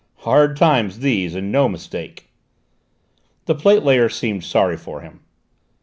"Hard times, these, and no mistake!" The plate layer seemed sorry for him.